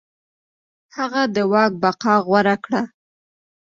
هغه د واک بقا غوره کړه.